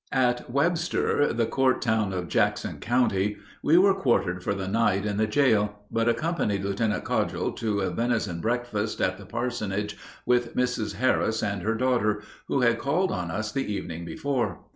"] At Webster, the court town of Jackson County, we were quartered for the night in the jail, but accompanied Lieutenant Cogdill to a venison breakfast at the parsonage with Mrs. Harris and her daughter, who had called on us the evening before.